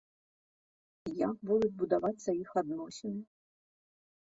Як будуць будавацца іх адносіны?